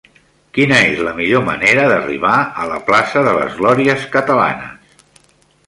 Quina és la millor manera d'arribar a la plaça de les Glòries Catalanes?